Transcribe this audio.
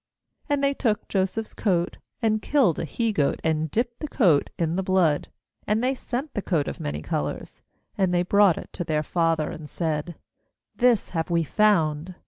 31And they took Joseph's coat, and killed a he goat, and dipped the coat in the blood; 82and they sent the coat of many colours, and they brought it to their father; and said: 'This have we found.